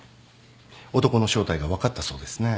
男の正体が分かったそうですね。